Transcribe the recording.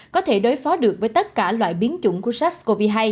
có thể đối phó được với tất cả loại biến chủng của sars cov hai